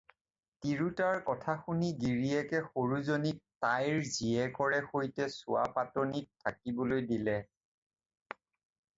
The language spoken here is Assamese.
তিৰোতাৰ কথা শুনি গিৰীয়েকে সৰুজনীক তাইৰ জীয়েকৰে সৈতে চুৱাপাতনিত থাকিবলৈ দিলে।